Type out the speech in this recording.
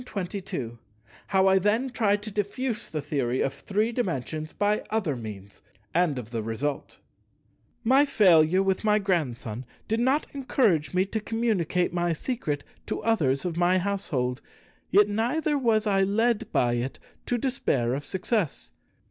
§ 22 How I then tried to diffuse the Theory of Three Dimensions by other means, and of the result My failure with my Grandson did not encourage me to communicate my secret to others of my household; yet neither was I led by it to despair of success.